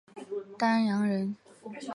丹阳人。